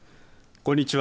こんにちは。